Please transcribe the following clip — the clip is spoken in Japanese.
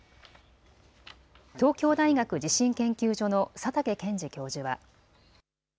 東京大学地震研究所の佐竹健治教授は。